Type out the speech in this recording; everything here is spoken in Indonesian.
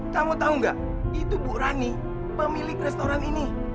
kamu tahu nggak itu bu rani pemilik restoran ini